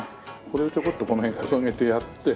これをちょこっとこの辺こそげてやって。